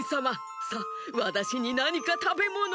さあわたしになにかたべものを！